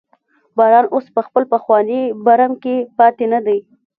باران اوس په خپل پخواني برم کې پاتې نه و.